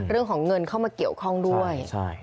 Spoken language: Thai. เรื่องของเงินเข้ามาเกี่ยวข้องด้วย